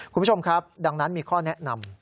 คุณผู้ชมครับดังนั้นมีข้อแนะนำ